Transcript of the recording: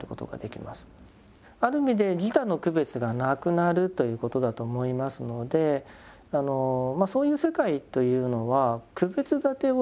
ある意味で「自他の区別がなくなる」ということだと思いますのでそういう世界というのは区別だてをしない世界。